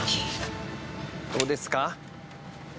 どうですか？